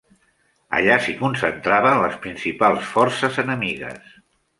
Allà s'hi concentraven les principals forces enemigues.